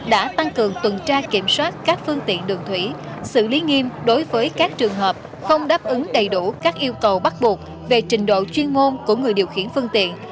đã tăng cường tuần tra kiểm soát các phương tiện đường thủy xử lý nghiêm đối với các trường hợp không đáp ứng đầy đủ các yêu cầu bắt buộc về trình độ chuyên môn của người điều khiển phương tiện